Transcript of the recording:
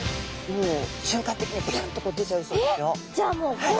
もう瞬間的にビュンとこう出ちゃうそうですよ。